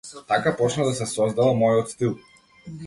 Така почна да се создава мојот стил.